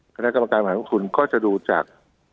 คณะกรรมการบริหารของคุณก็จะดูจาก